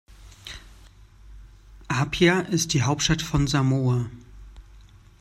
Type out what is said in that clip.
Apia ist die Hauptstadt von Samoa.